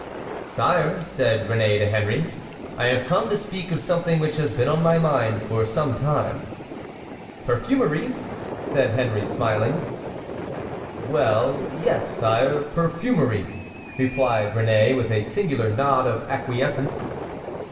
"Sire," said Réné to Henry, "I have come to speak of something which has been on my mind for some time." "Perfumery?" said Henry, smiling. "Well, yes, sire,—perfumery," replied Réné, with a singular nod of acquiescence.